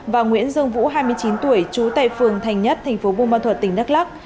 và nguyễn dương vũ hai mươi chín tuổi chú tại phường thành nhất tỉnh đắk lắc